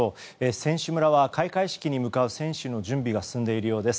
選手村は開会式に向かう選手の準備が進んでいるようです。